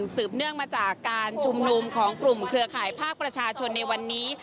เนื่องมาจากการชุมนุมของกลุ่มเครือข่ายภาคประชาชนในวันนี้